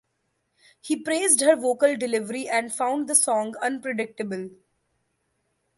He praised her vocal delivery and found the song unpredictable.